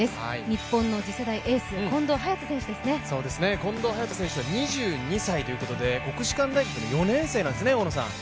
日本の次世代エース、２２歳ということで国士舘大学４年生なんですね。